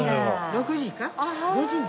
６時か。